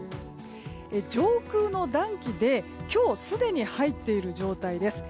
上空の暖気で、今日すでに入っている状態です。